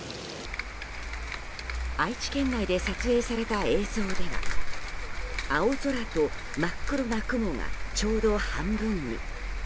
愛知県内で撮影された映像では青空と真っ黒な雲がちょうど半分に。